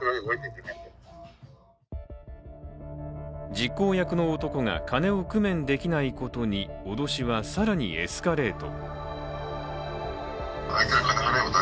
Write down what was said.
実行役の男が金を工面できないことに脅しは更にエスカレート。